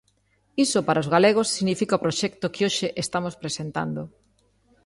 Iso, para os galegos, significa o proxecto que hoxe estamos presentando.